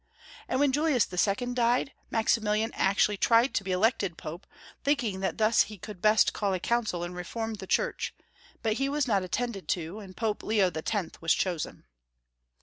And when Julius II. died, Maximilian actually tried to be elected Pope, thinking that thus he could best call a council and reform the Church, but he was not attended to, and Pope Leo X. was chosen.